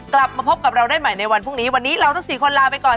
กลับมาพบกับเราได้ใหม่ในวันพรุ่งนี้วันนี้เราทั้งสี่คนลาไปก่อน